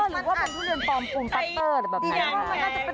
หรือว่ามันทุเรียนปลอมปรุงปัสเตอร์หรือแบบนั้น